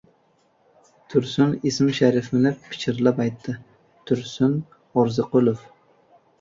Tursun ism-sharifini pichirlab aytdi: Tursun Orziqulov!